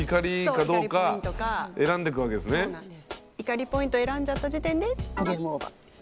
怒りポイント選んじゃった時点でゲームオーバー。